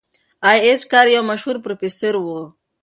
ای اېچ کار یو مشهور پروفیسور و.